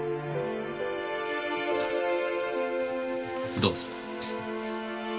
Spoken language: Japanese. どうぞ。